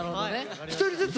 １人ずつ？